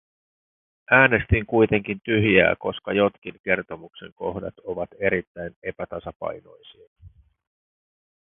Äänestin kuitenkin tyhjää, koska jotkin kertomuksen kohdat ovat erittäin epätasapainoisia.